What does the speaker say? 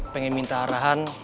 pengen minta arahan